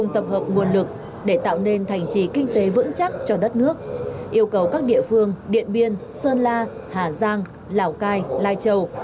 tập hợp nguồn lực để tạo nên thành trí kinh tế vững chắc cho đất nước yêu cầu các địa phương điện biên sơn la hà giang lào cai lai châu